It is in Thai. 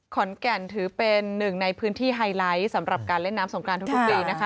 ขอนแก่นถือเป็นหนึ่งในพื้นที่ไฮไลท์สำหรับการเล่นน้ำสงกรานทุกปีนะคะ